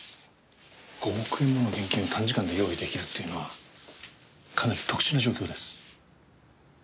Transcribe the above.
５億円もの現金を短時間で用意出来るっていうのはかなり特殊な状況です。